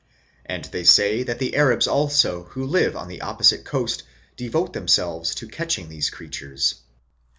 And they say that the Arabs also who live on the opposite coast devote themselves to catching these creatures.